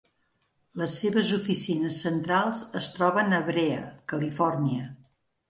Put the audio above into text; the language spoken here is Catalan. Les seves oficines centrals es troben a Brea, Califòrnia.